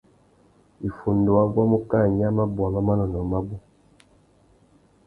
Iffundu wa guamú kā nya mabôwa má manônôh mabú.